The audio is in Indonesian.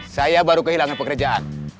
saya baru kehilangan pekerjaan